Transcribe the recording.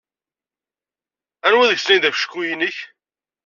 Anwa deg-sen ay d afecku-nnek?